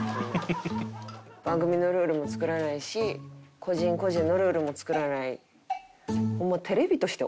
番組のルールも作らないし個人個人のルールも作らない。